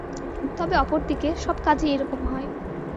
তবে অপরদিকে, সব কাজই এরকম হয়।